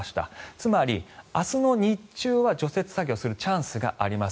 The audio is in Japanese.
つまり明日の日中は除雪作業をするチャンスがあります。